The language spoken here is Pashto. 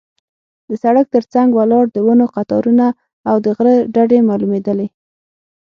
د سړک تر څنګ ولاړ د ونو قطارونه او د غره ډډې معلومېدلې.